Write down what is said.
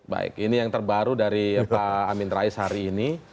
baik ini yang terbaru dari pak amin rais hari ini